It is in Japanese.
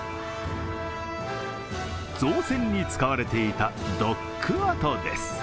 造船に使われていたドッグ跡です。